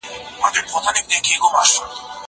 زه اوس ږغ اورم؟!